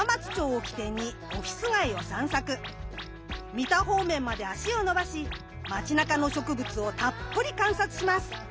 三田方面まで足を延ばし街中の植物をたっぷり観察します。